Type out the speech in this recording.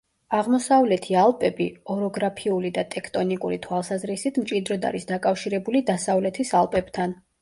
აღმოსავლეთი ალპები, ოროგრაფიული და ტექტონიკური თვალსაზრისით მჭიდროდ არის დაკავშირებული დასავლეთის ალპებთან.